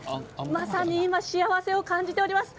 まさに今幸せを感じております。